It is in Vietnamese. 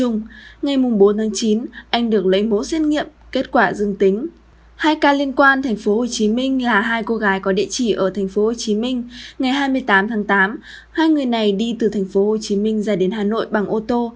ngày hai mươi tám tháng tám hai người này đi từ thành phố hồ chí minh ra đến hà nội bằng ô tô